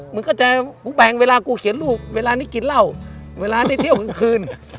มันก็จะกูแบ่งเวลากูเขียนลูกเวลานี้กินเหล้าเวลานี้เที่ยวกลางคืน